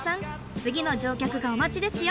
次の乗客がお待ちですよ。